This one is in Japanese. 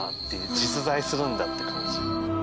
実在するんだって。